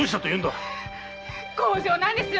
強情なんですよ